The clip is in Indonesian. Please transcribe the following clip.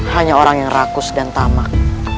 hanya orang yang rakus dan tamak